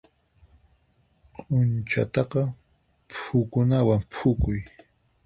Q'unchata phukunawan phukuy.